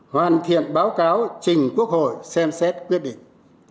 hoàn thiện báo cáo trình quốc hội xem xét quyết định